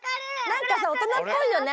なんかさおとなっぽいよね